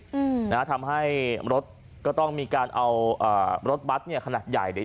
อืมนะฮะทำให้รถก็ต้องมีการเอาอ่ารถบัตรเนี่ยขนาดใหญ่เนี่ย